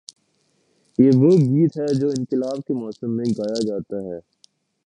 یہ وہ گیت ہے جو انقلاب کے موسم میں گایا جاتا ہے۔